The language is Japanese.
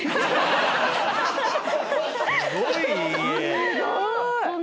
すごい家。